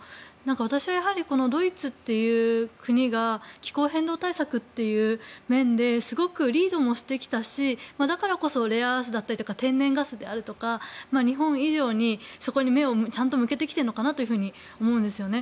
私はドイツっていう国が気候変動対策という面ですごくリードもしてきたしだからこそ、レアアースだったり天然ガスであるとか日本以上にそこに目をちゃんと向けてきているのかなと思うんですよね。